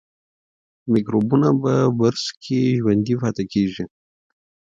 میکروبونه په برس کې ژوندي پاتې کېږي.